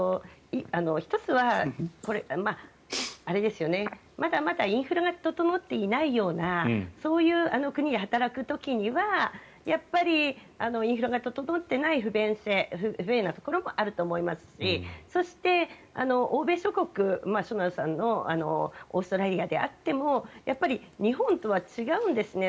１つはまだまだインフラが整っていないようなそういう国で働く時にはやっぱりインフラが整っていない不便性もあると思いますしそして、欧米諸国しょなるさんのオーストラリアであってもやっぱり日本とは違うんですね。